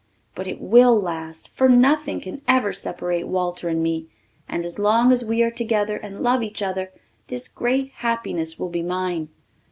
But it will last, for nothing can ever separate Walter and me, and as long as we are together and love each other this great happiness will be mine.